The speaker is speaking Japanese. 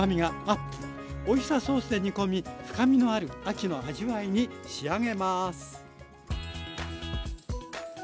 オイスターソースで煮込み深みのある秋の味わいに仕上げます。